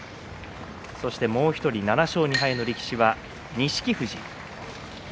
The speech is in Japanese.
そしてもう１人７勝２敗の力士は錦富士。